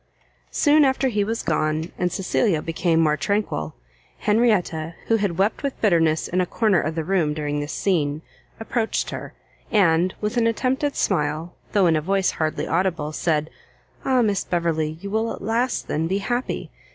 Soon after he was gone, and Cecilia became more tranquil, Henrietta, who had wept with bitterness in a corner of the room during this scene, approached her, and, with an attempted smile, though in a voice hardly audible, said, "Ah, Miss Beverley, you will, at last, then be happy!